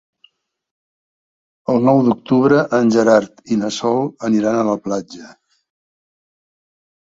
El nou d'octubre en Gerard i na Sol aniran a la platja.